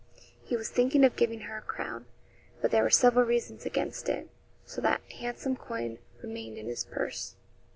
He was thinking of giving her a crown, but there were several reasons against it, so that handsome coin remained in his purse.